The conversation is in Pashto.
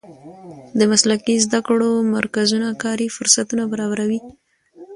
د مسلکي زده کړو مرکزونه کاري فرصتونه برابروي.